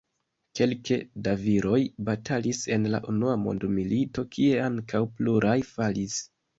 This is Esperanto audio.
Kelke da viroj batalis en la unua mondmilito, kie ankaŭ pluraj falis.